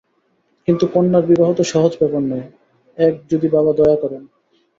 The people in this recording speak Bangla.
কিন্তু কন্যার বিবাহ তো সহজ ব্যাপার নয়–এক, যদি বাবা দয়া করেন।